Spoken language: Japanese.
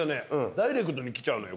ダイレクトにきちゃうのよ